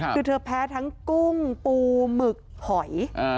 คือเธอแพ้ทั้งกุ้งปูหมึกหอย